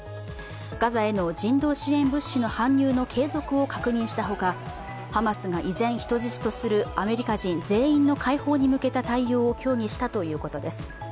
ガザへの人道支援物資の搬入の継続を確認したほか、ハマスが以前人質とするアメリカ陣全員の解放に向けた対応を協議したということです。